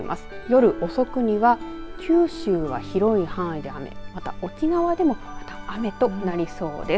夜遅くには九州は広い範囲で雨沖縄では雨となりそうです。